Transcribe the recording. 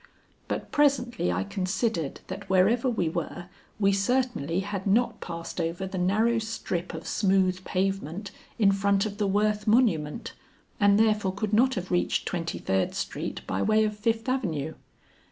But presently I considered that wherever we were, we certainly had not passed over the narrow strip of smooth pavement in front of the Worth monument, and therefore could not have reached Twenty third Street by way of Fifth Avenue.